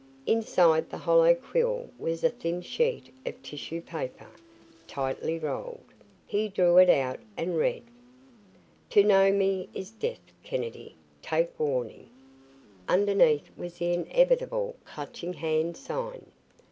Inside the hollow quill was a thin sheet of tissue paper, tightly rolled. He drew it out and read: "To know me is DEATH Kennedy Take Warning!" Underneath was the inevitable Clutching Hand sign.